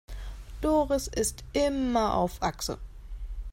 Doris ist immer auf Achse.